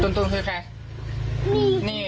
ตุนตุนคือใครนี่